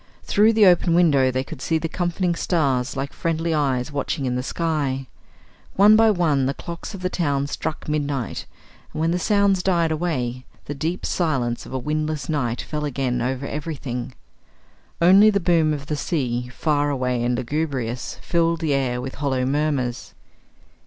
Through the open window they could see the comforting stars like friendly eyes watching in the sky. One by one the clocks of the town struck midnight, and when the sounds died away the deep silence of a windless night fell again over everything. Only the boom of the sea, far away and lugubrious, filled the air with hollow murmurs.